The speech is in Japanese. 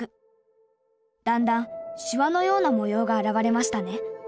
だんだんしわのような模様が現れましたね。